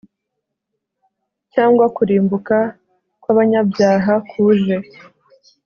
Cyangwa kurimbuka kwabanyabyaha kuje